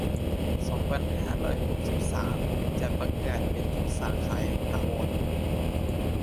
สองพันห้าร้อยหกสิบสาม จะประกาศปิดทุกสาขาอย่างถาวร